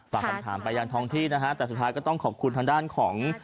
ฝากคำถามไปยังท้องที่นะฮะแต่สุดท้ายก็ต้องขอบคุณทางด้านของ